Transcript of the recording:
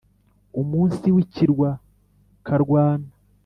umunsi w'i kirwa, karwana